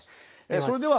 それでは。